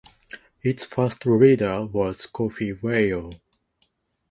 Its first leader was Kofi Wayo.